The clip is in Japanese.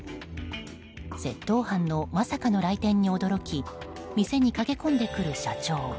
窃盗犯のまさかの来店に驚き店に駆け込んでくる社長。